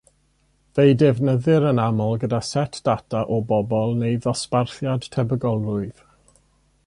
Fe'i defnyddir yn aml gyda set data o bobl neu ddosbarthiad tebygolrwydd.